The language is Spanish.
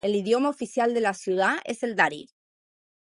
El idioma oficial de la ciudad es el dari.